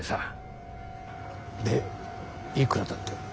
でいくらだって？